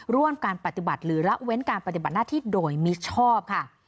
ร่วมการปฏิบัติหรือละเว้นการปฏิบัติหน้าที่โดยมิชอบค่ะ